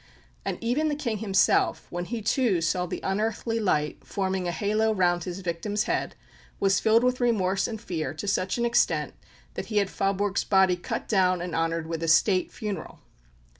And even the King himself, when he too saw the unearthly light forming a halo round his victim's head, was filled with remorse and fear to such an extent that he had Faaborg's body cut down and honoured with a State funeral.